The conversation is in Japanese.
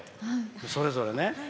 それぞれね。